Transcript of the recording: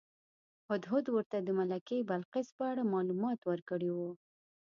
هدهد ورته د ملکې بلقیس په اړه معلومات ورکړي وو.